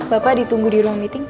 bapak ditunggu di ruang meeting